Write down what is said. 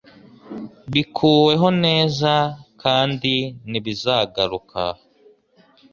Bikuweho neza kandi ntibizagaruka